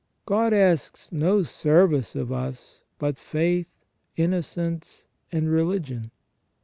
God asks no service of us but faith, innocence, and religion.